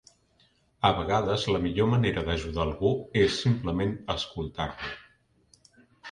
A vegades la millor manera d'ajudar algú és simplement escoltar-lo.